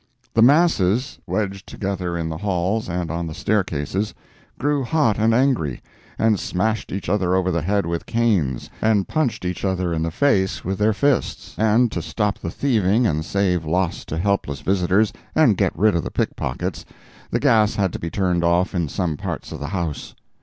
The masses, wedged together in the halls and on the staircases, grew hot and angry, and smashed each other over the head with canes, and punched each other in the face with their fists, and to stop the thieving and save loss to helpless visitors, and get rid of the pickpockets, the gas had to be turned off in some parts of the house.